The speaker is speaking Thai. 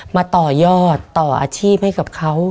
มาต่อยอดต่ออาชีพให้กับเขา